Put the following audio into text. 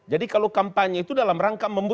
jadi kalau kampanye itu dalam rangka